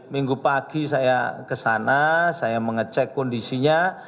minggu pagi saya ke sana saya mengecek kondisinya